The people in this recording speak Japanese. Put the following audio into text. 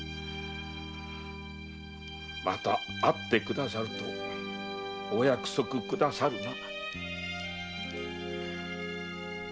また会ってくださるとお約束くださるな？